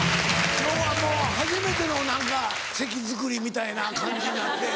今日はもう初めての何か席づくりみたいな感じになって。